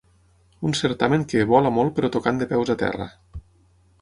Un certamen que “vola molt però tocant de peus a terra”